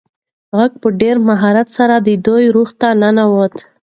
غږ په ډېر مهارت سره د ده روح ته ننووت.